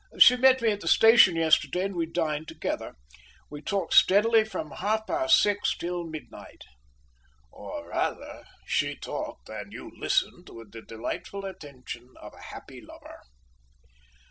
"She met me at the station yesterday, and we dined together. We talked steadily from half past six till midnight." "Or, rather, she talked and you listened with the delighted attention of a happy lover."